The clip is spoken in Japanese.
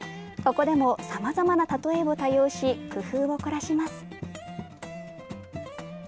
ここでもさまざまな例えを多用し工夫を凝らします。